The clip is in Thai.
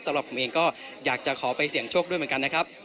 สำหรับผมเองก็อยากจะขอไปเสี่ยงโชคด้วยเหมือนกันนะครับ